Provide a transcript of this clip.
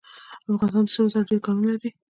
افغانستان د سرو زرو ډیر کانونه لري.